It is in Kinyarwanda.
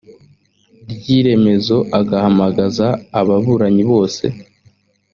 rw iremezo agahamagaza ababuranyi bose